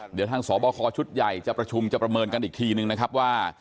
เดี๋ยวทางสบคชุดใหญ่จะประชุมจะประเมินกันอีกทีนึงนะครับว่า